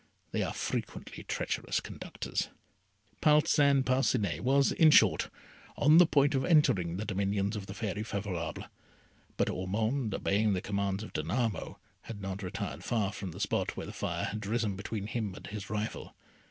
they are frequently treacherous conductors. Parcin Parcinet was, in short, on the point of entering the dominions of the Fairy Favourable; but Ormond, obeying the commands of Danamo, had not retired far from the spot where the fire had risen between him and his rival.